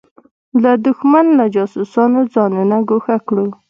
له دښمن له جاسوسانو ځانونه ګوښه کړو.